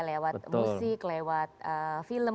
lewat musik lewat film